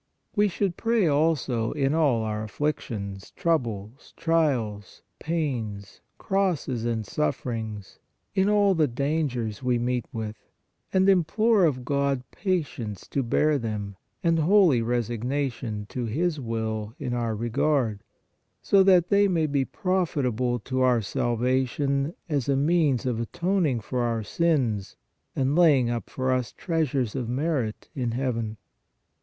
We should pray also in all our afflictions, troubles, trials, pains, crosses and sufferings, in all the dangers we meet with, and implore of God, patience to bear them, and holy resignation to His will in our regard, so that they may be profitable to our salvation as a means of atoning for our sins and laying up for us treasures of merit in heaven.